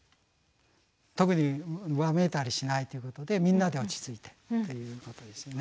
特にわめいたりしないということでみんなで落ち着いてっていうことですね。